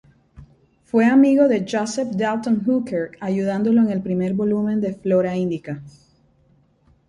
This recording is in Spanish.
Fue amigo de Joseph Dalton Hooker, ayudándolo en el primer volumen de "Flora Indica".